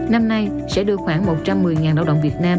năm nay sẽ đưa khoảng một trăm một mươi lao động việt nam